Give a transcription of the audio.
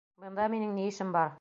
Бында минең ни эшем бар?